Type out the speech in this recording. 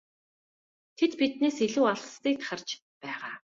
Тэд биднээс илүү алсыг харж байгаа.